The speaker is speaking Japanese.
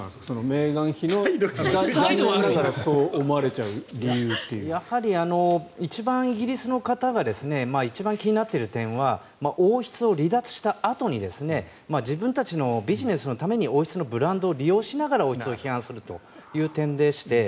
メーガン妃の残念ながらそう思われちゃう理由っていうのはやはりイギリスの方が一番気になっている点は王室を離脱したあとに自分たちのビジネスのために王室のブランドを利用しながら王室を批判するという点でして。